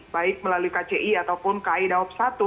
baik melalui kci ataupun kai dawab satu